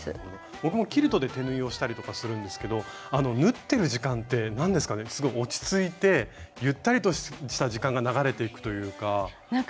僕もキルトで手縫いをしたりとかするんですけどあの縫ってる時間って何ですかねすごい落ち着いてゆったりとした時間が流れていくというか。